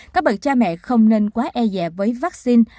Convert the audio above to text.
các bậc cha mẹ không nên quá e dè với vaccine